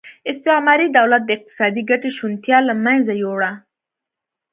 استعماري دولت د اقتصادي ګټې شونتیا له منځه یووړه.